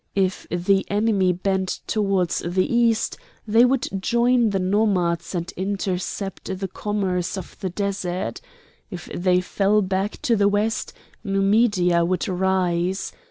If the enemy bent towards the east they would join the nomads and intercept the commerce of the desert. If they fell back to the west, Numidia would rise.